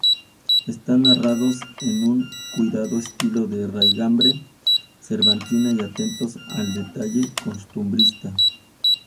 Están narrados en un cuidado estilo de raigambre cervantina y atentos al detalle costumbrista.